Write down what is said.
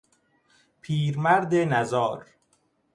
پیرمرد نزار